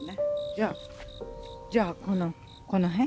じゃあじゃあこの辺？